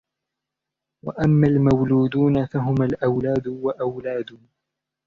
وَأَمَّا الْمَوْلُودُونَ فَهُمْ الْأَوْلَادُ وَأَوْلَادُ